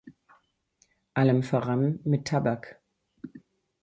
Allem voran mit Tabak.